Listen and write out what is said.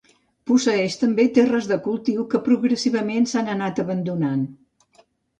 Posseeix també terres de cultiu que progressivament s'han anat abandonant.